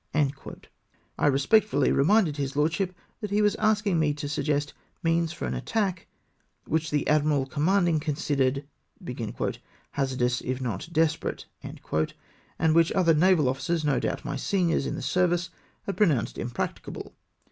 I respectfully reminded his lordship that he was ask ing me to suggest means for an attack which the admi ral commanding considered " hazardous, if not despe rate ;" and which other naval officers, no doubt my seniors in the service, had pronounced impracticable.